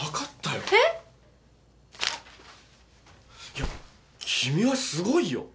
いや君は凄いよ！